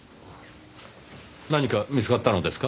何か見つかったのですか？